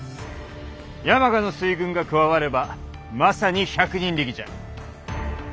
山鹿の水軍が加わればまさに百人力じゃ。